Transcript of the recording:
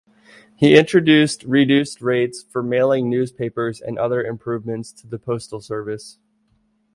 He introduced reduced rates for mailing newspapers and other improvements to the postal service.